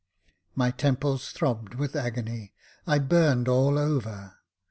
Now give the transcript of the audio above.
My temples throbbed with agony — I burned all over.